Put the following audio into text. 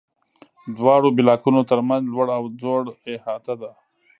دواړو بلاکونو تر منځ لوړ او ځوړ احاطه ده.